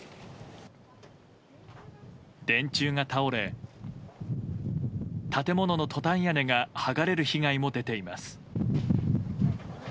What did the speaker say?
電柱が倒れ建物のトタン屋根が剥がれる被害も出ています。